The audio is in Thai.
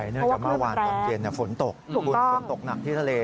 เนื่องจากเมื่อวานตอนเย็นฝนตกคุณฝนตกหนักที่ทะเล